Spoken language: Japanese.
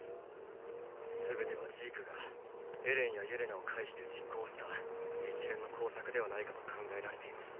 すべてはジークがエレンやイェレナを介して実行した一連の工作ではないかと考えられています。